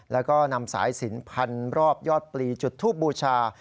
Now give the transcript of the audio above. แล้วก็นำสายสินพันรอบยอดปลีจุดทูบบูชา